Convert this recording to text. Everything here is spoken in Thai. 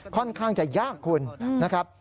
ค่อนข้างจะยากคุณนะครับ